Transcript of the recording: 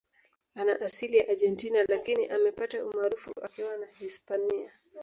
Ana asili ya Argentina Lakini amepata umaarufu akiwa na Hispania